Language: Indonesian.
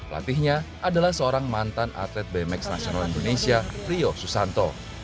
latihnya adalah seorang mantan atlet bmx nasional indonesia rio susanto